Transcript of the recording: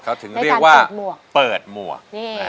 เขาถึงเรียกว่าเปิดหมวก